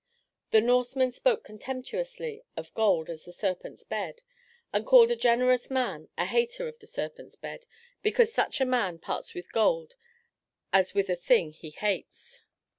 The Norsemen spoke contemptuously of gold as "the serpent's bed," and called a generous man "a hater of the serpent's bed," because such a man parts with gold as with a thing he hates.